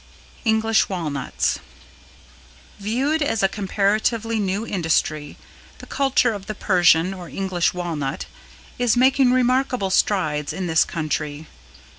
English Walnuts. Viewed as a comparatively new industry, the culture of the Persian or English Walnut is making remarkable strides in this country.